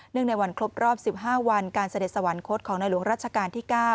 ในวันครบรอบ๑๕วันการเสด็จสวรรคตของในหลวงรัชกาลที่๙